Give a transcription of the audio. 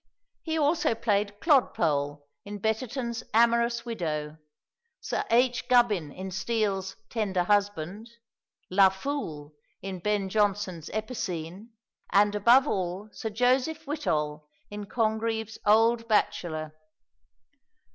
He also played Clodpole in Betterton's "Amorous Widow," Sir H. Gubbin in Steele's "Tender Husband," La Foole in Ben Jonson's "Epicene," and above all Sir Joseph Whittol in Congreve's "Old Bachelor."